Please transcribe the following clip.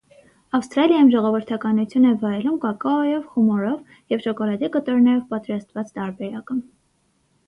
Ավստրալիայում ժողովրդականություն է վայելում կակաոյով խմորով և շոկոլադե կտորներով պատրաստված տարբերակը։